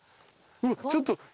ちょっと！